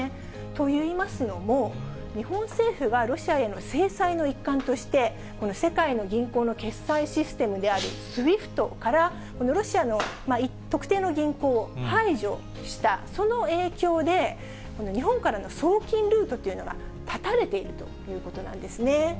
といいますのも、日本政府がロシアへの制裁の一環として、この世界の銀行の決済システムであるＳＷＩＦＴから、ロシアの特定の銀行を排除した、その影響で日本からの送金ルートっていうのが絶たれているということなんですね。